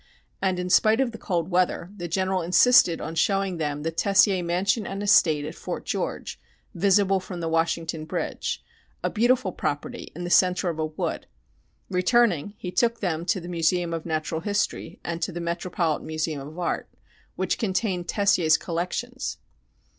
And, in spite of the cold weather, the General insisted on showing them the "Tessier mansion and estate at Fort George" visible from the Washington Bridge "a beautiful property in the centre of a wood." Returning, he took them to the Museum of Natural History and to the Metropolitan Museum of Art, which contained "Tessier's collections."